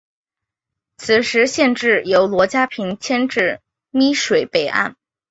此时县治由罗家坪迁至洣水北岸。